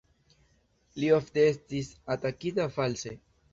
Li ofte estis atakita false.